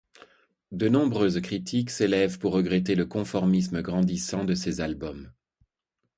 De nombreuses critiques s'élèvent pour regretter le conformisme grandissant de ces albums.